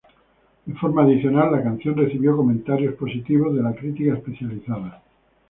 De forma adicional, la canción recibió comentarios positivos de la crítica especializada.